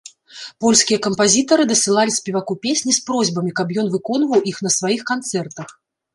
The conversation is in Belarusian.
Польскія кампазітары дасылалі спеваку песні з просьбамі, каб ён выконваў іх на сваіх канцэртах.